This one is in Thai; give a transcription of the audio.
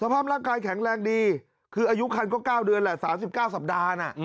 ภาพร่างกายแข็งแรงดีคืออายุคันก็๙เดือนแหละ๓๙สัปดาห์นะ